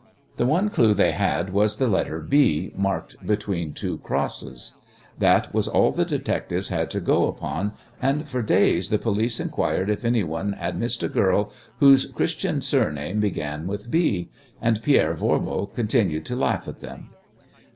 The one clue they had was the letter "B" marked between two crosses. That was all the detectives had to go upon, and for days the police inquired if anyone had missed a girl whose Christian or surname began with B. And Pierre Voirbo continued to laugh at them!